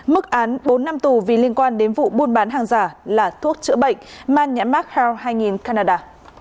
mức án bốn năm tù vì liên quan đến vụ buôn bán hàng giả là thuốc chữa bệnh man nhãn mark howe hai nghìn canada